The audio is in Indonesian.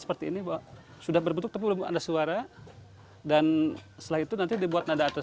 seperti ini bahwa sudah berbentuk tepung anda suara dan setelah itu nanti dibuat nada atau